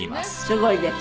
すごいです。